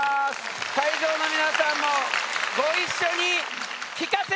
会場の皆さんもご一緒に聞かせて。